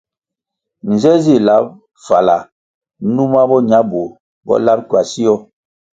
Nze zih lab fala numa bo ña bur bo lab kwasio ?